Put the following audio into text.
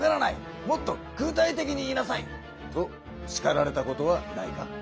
もっと具体的に言いなさい」としかられたことはないか？